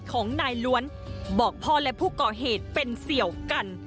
ของนายล้วนบอกพ่อและผู้ก่อเหตุเป็นเสี่ยวกัน